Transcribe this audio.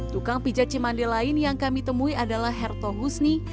tukang pijat cimandi lain yang kami temui adalah herto husni